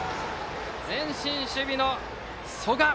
前進守備の曽我。